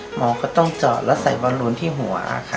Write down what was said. หมอก็ต้องจอดแล้วใส่วัลโลนที่หัว